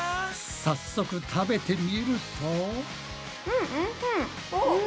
早速食べてみると。